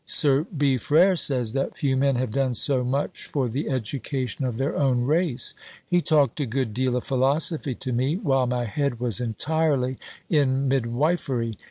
Sir B. Frere says that few men have done so much for the education of their own race. He talked a good deal of Philosophy to me, while my head was entirely in Midwifery!